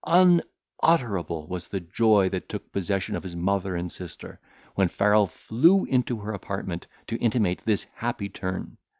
Unutterable was the joy that took possession of his mother and sister when Farrel flew into her apartment to intimate this happy turn.